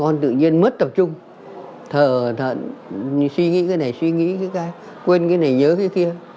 con tự nhiên mất tập trung thở thận suy nghĩ cái này suy nghĩ cái cái quên cái này nhớ cái kia